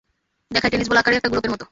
দেখায় tennis ball আকারে একটা গোলকের মতো।